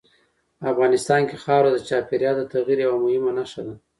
افغانستان کې خاوره د چاپېریال د تغیر یوه مهمه نښه ده.